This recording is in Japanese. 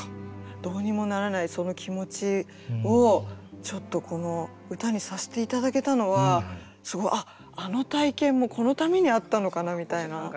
どうにもならないその気持ちをちょっとこの歌にさして頂けたのはすごいあっあの体験もこのためにあったのかなみたいな。